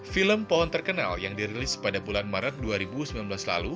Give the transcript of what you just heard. film pohon terkenal yang dirilis pada bulan maret dua ribu sembilan belas lalu